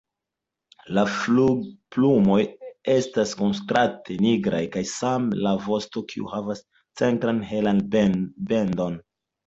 La flugilplumoj estas kontraste nigraj kaj same la vosto kiu havas centran helan bendon.